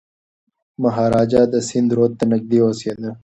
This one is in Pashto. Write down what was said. مهاراجا د سند رود ته نږدې اوسېده.